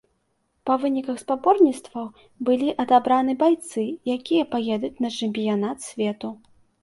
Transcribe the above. Па выніках спаборніцтваў былі адабраны байцы, якія паедуць на чэмпіянат свету.